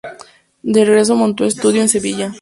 De regreso montó estudio en Sevilla.